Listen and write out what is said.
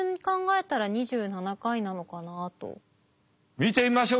見てみましょう。